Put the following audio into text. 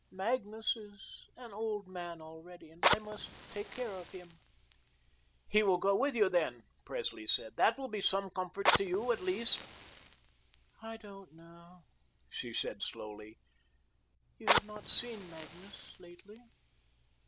Magnus is an old man already, and I must take care of him." "He will go with you, then," Presley said, "that will be some comfort to you at least." "I don't know," she said slowly, "you have not seen Magnus lately."